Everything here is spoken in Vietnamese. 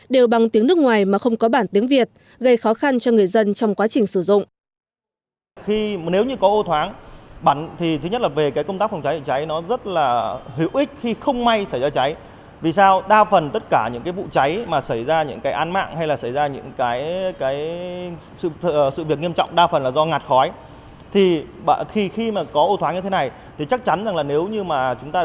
đều bằng tiếng nước ngoài mà không có bản tiếng việt gây khó khăn cho người dân trong quá trình sử dụng